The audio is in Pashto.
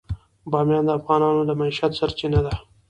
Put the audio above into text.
بامیان د افغانانو د معیشت سرچینه ده.